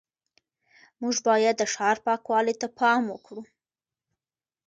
موږ باید د ښار پاکوالي ته پام وکړو